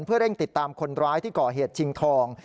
เพื่อเร่งติดตามคนร้ายที่ก่อเหตุชิงทอง